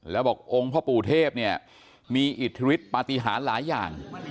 แล้วบอกองค์พ่อปู่เทพเนี่ยมีอิทธิฤทธปฏิหารหลายอย่าง